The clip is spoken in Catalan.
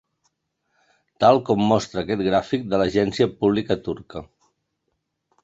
Tal com mostre aquest gràfic de l’agència pública turca.